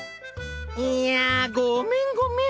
いやごめんごめん。